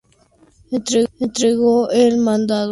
Entregó el mando en julio, y enseguida partió para Mendoza.